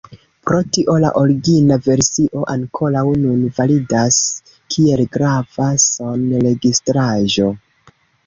Pro tio la origina versio ankoraŭ nun validas kiel grava sonregistraĵo.